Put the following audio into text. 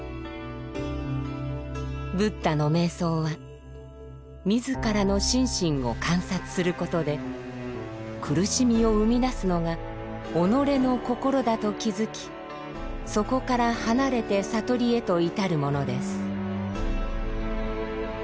ブッダの瞑想は自らの心身を観察することで苦しみを生み出すのが己の心だと気づきそこから離れて悟りへと至るものです。